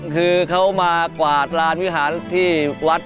คือเขามากวาดลานวิหารที่วัด